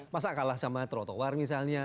masa kalah sama trotoar misalnya